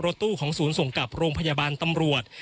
ตู้ของศูนย์ส่งกลับโรงพยาบาลตำรวจ